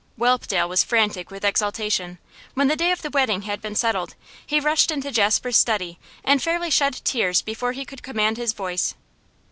Whelpdale was frantic with exultation. When the day of the wedding had been settled, he rushed into Jasper's study and fairly shed tears before he could command his voice.